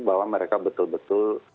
bahwa mereka betul betul